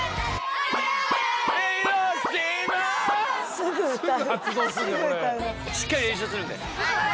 すぐ歌う。